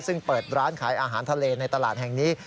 ซึ่งเปิดร้านขายอาหารทะเลในตลาดแห่งนี้